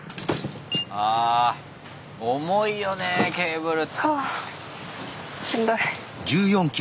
あ重いよねケーブル。